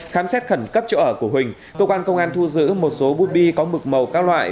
khám xét khẩn cấp chỗ ở của huỳnh công quan công an thu giữ một số bút bi có mực màu các loại